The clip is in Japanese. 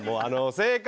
正解！